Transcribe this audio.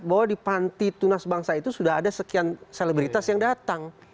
bahwa di panti tunas bangsa itu sudah ada sekian selebritas yang datang